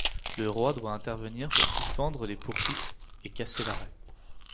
Le roi doit intervenir pour suspendre les poursuites et casser l'arrêt.